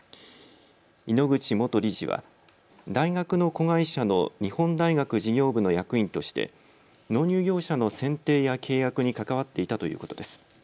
井ノ口元理事は大学の子会社の日本大学事業部の役員として納入業者の選定や契約に関わっていたということです。